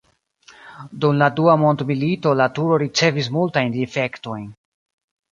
Dum la Dua mondmilito la turo ricevis multajn difektojn.